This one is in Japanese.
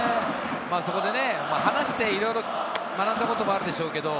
そこで話して、いろいろ学んだこともあるでしょうけど。